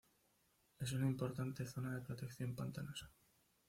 Es una importante zona de protección pantanosa.